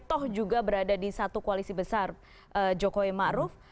toh juga berada di satu koalisi besar jokowi ma'ruf